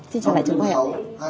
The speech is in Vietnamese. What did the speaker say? xin chào lại chào mừng các bạn